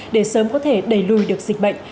để sớm có thể đẩy lùi được dịch bệnh